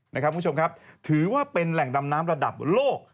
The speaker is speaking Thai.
คุณผู้ชมครับถือว่าเป็นแหล่งดำน้ำระดับโลก